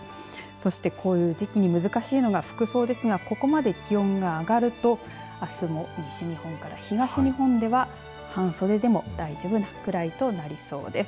そして、こういう時期に難しいのが服装ですがここまで気温が上がると、あすも西日本から東日本では半袖でも大丈夫なくらいとなりそうです。